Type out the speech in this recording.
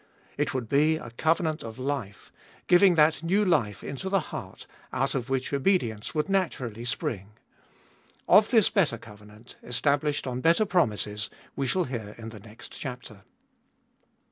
It would be a covenant of life — giving that new life into the heart, out of which obedience would naturally spring. Of this better covenant, established on better promises, we shall hear in the next chapter.